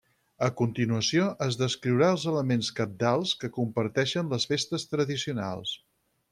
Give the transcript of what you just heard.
A continuació es descriurà els elements cabdals que comparteixen les festes tradicionals.